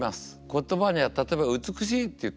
言葉には例えば「美しい」って言ったらね